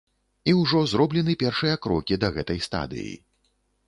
І ўжо зроблены першыя крокі да гэтай стадыі.